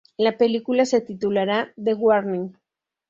La película se titulará "The Warning".